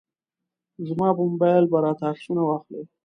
زما په موبایل به راته عکسونه واخلي.